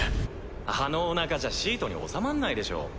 あのおなかじゃシートに収まんないでしょ。